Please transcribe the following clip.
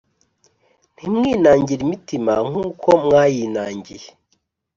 Ntimwinangire imitima Nk uko mwayinangiye